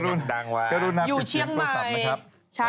สนุนโดยดีที่สุดคือการให้ไม่สิ้นสุด